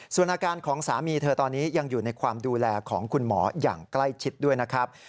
ส่วนอาการของสามีเธอตอนนี้ยังอยู่ในความดูแลของคุณหมออย่างใกล้ชิดด้วยนะครับ